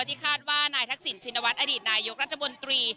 ที่คาดว่านายทักษิณชินวัฒนอดีตนายกรัฐมนตรี